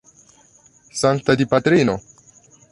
Sankta Dipatrino!